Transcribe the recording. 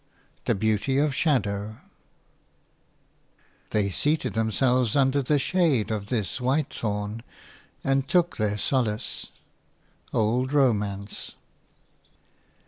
THE BEAUTY OF SHADOW "They seated themselves under the shade of this white thorn, and took their solace." – OLD ROMANCE.